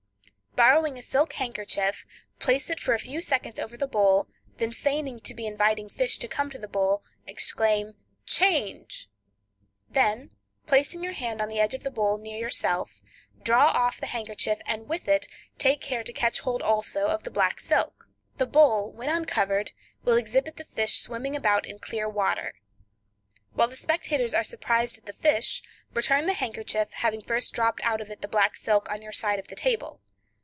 Borrowing a silk handkerchief, place it for a few seconds over the bowl, and feigning to be inviting fish to come to the bowl, exclaim "Change!" Then, placing your hand on the edge of the bowl near yourself, draw off the handkerchief, and with it take care to catch hold also of the black silk. The bowl when uncovered will exhibit the fish swimming about in clear water. While the spectators are surprised at the fish, return the handkerchief, having first dropped out of it the black silk on your side of the table.